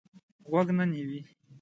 غوږ نه نیوی.